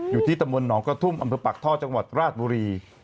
อยู่ที่ตำบลหนองกระทุ่มอำเภอปากท่อจังหวัดราชบุรี